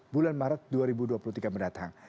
bulan maret dua ribu dua puluh tiga mendatang